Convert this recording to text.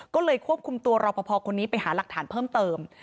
ก็เลยควบคุมตัวรอปภคนนี้ไปหาหลักฐานเพิ่มเติม